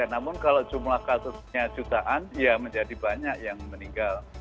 namun kalau jumlah kasusnya jutaan ya menjadi banyak yang meninggal